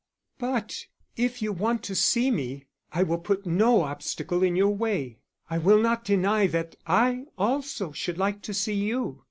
But if you want to see me I will put no obstacle in your way; I will not deny that I also should like to see you.